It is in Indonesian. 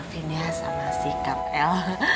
maafin ya sama sikap el